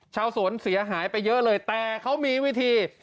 ชาวสวนเสียหายไปเยอะเลยแต่เขามีวิธี